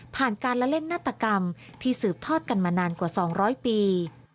การละเล่นนาฏกรรมที่สืบทอดกันมานานกว่า๒๐๐ปี